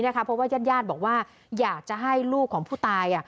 เพราะว่าญาติบอกว่าอยากจะให้ลูกของผู้ตาย